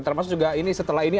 termasuk juga ini setelah ini